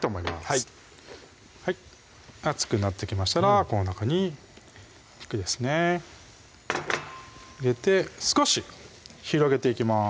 はい熱くなってきましたらこの中に肉ですね入れて少し広げていきます